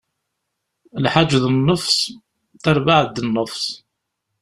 Lḥaǧ d nnefṣ, tarbaɛt d nnefṣ.